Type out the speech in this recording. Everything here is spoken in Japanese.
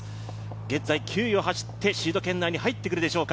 現在９位を走ってシード権内に入ってくるでしょうか。